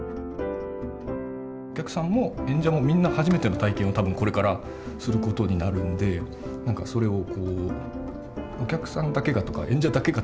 お客さんも演者もみんな初めての体験を多分これからすることになるんで何かそれを「お客さんだけが」とか「演者だけが」